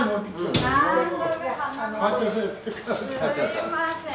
すいません。